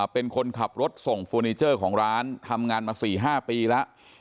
เป็นคนขับรถส่งเฟอร์นิเจอร์ของร้านทำงานมา๔๕ปีแล้ว